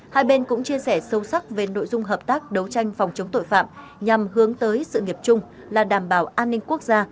hai bên cũng chia sẻ sâu sắc về nội dung hợp tác đấu tranh phòng chống tội phạm nhằm hướng tới sự nghiệp chung là đảm bảo an ninh quốc gia